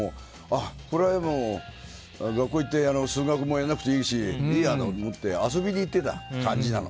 これは学校行って数学もやらなくていいしいいやと思って遊びに行ってた感じなの。